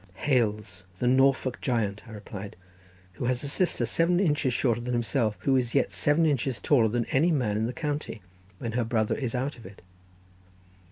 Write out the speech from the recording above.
"Hales, the Norfolk giant," I replied, "who has a sister seven inches shorter than himself, who is yet seven inches taller than any man in the county when her brother is out of it."